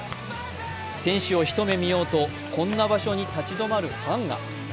選手を一目見ようと、こんな場所に立ち止まるファンが。